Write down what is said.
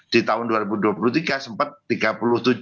di tahun dua ribu dua puluh tiga sempat tiga puluh tujuh juta